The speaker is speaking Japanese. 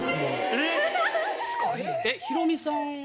えっ！